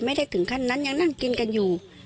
ไม่ได้ถึงขั้นนั้นยังนั่งกินกันอยู่